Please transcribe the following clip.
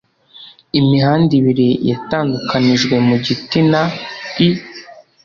Imihanda ibiri yatandukanijwe mu giti na I